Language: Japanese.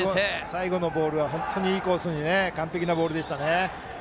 最後のボールは本当にいいコースで完璧なボールでした。